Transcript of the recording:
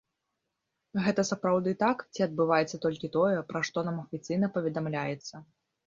Гэта сапраўды так, ці адбываецца толькі тое, пра што нам афіцыйна паведамляецца?